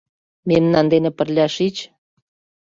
— Мемнан дене пырля шич.